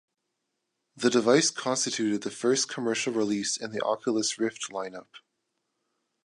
The device constituted the first commercial release in the Oculus Rift lineup.